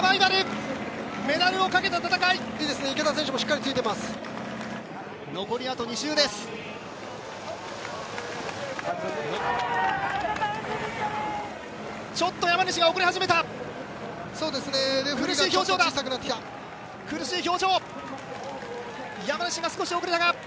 苦しい表情だ！